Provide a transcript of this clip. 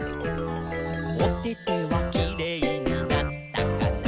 「おててはキレイになったかな？」